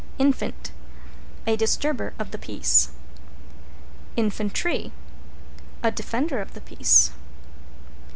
=INFANT= A disturber of the peace. =INFANTRY= A defender of the peace.